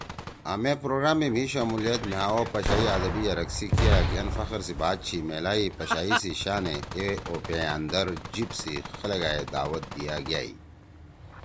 آں مے پروگرام می مھی شمولیت مھأ او پشائی آدبی یرک سی کیا گھین فخر سی بات چھی میلائی پشائی سی شانے اے اوپیِاندر جیِب سی خلَگا ئے دعوت دیِا گأئی۔